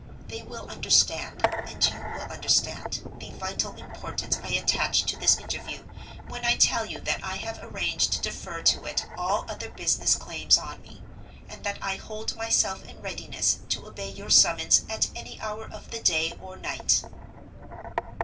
They will understand, and you will understand, the vital importance I attach to this interview when I tell you that I have arranged to defer to it all other business claims on me; and that I hold myself in readiness to obey your summons at any hour of the day or night."